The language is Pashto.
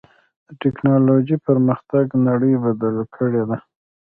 د ټکنالوجۍ پرمختګ نړۍ بدلې کړې ده.